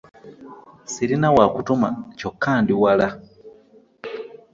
Ssirina wa kutuma kyokka ndi wala.